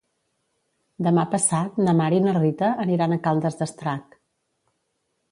Demà passat na Mar i na Rita aniran a Caldes d'Estrac.